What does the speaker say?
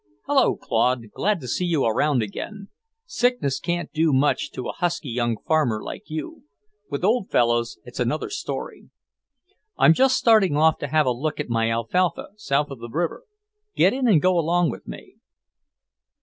"Hello, Claude, glad to see you around again! Sickness can't do much to a husky young farmer like you. With old fellows, it's another story. I'm just starting off to have a look at my alfalfa, south of the river. Get in and go along with me."